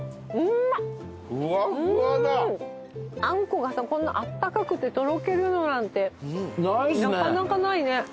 あんこがこんなあったかくてとろけるのなんてなかなかないね。